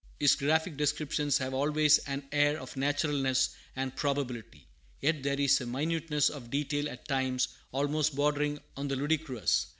His graphic descriptions have always an air of naturalness and probability; yet there is a minuteness of detail at times almost bordering on the ludicrous.